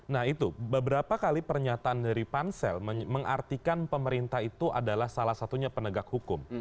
nah itu beberapa kali pernyataan dari pansel mengartikan pemerintah itu adalah salah satunya penegak hukum